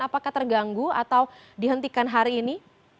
apakah terganggu atau dihentikan hari ini